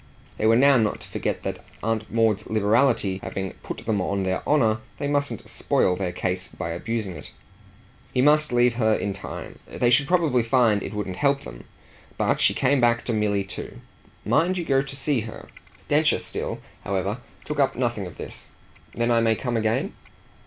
They were now not to forget that, Aunt Maud's liberality having put them on their honour, they mustn't spoil their case by abusing it. He must leave her in time; they should probably find it would help them. But she came back to Milly too. "Mind you go to see her." Densher still, however, took up nothing of this. "Then I may come again?"